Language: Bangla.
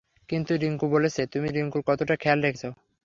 কিন্তু রিংকু বলেছে তুমি রিংকুর কতটা খেয়াল রেখেছো।